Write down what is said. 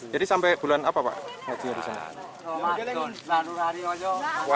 jadi sampai bulan apa pak ngajinya disana